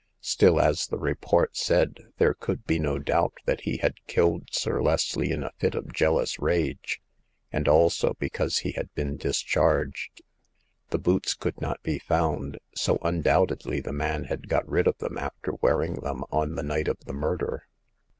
Still, as the report said, there could be no doubt that he had killed Sir Leslie in a fit of jealous rage, and also because he had been discharged. The boots could not be found, so undoubtedly the man had got rid of them after wearing them on the night of the murder.